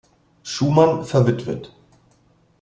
Schumann, verw.